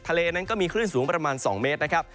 ทะเลนั้นก็มีคลื่นสูงประมาณ๒เมตรนะครับ